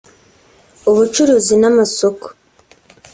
ubucuruzi n’amasoko